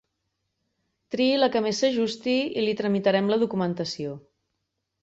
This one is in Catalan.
Triï la que més s'ajusti i li tramitarem la documentació.